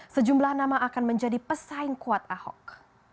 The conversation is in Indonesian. sejumlah nama akan menjadi pesaing kuat ahok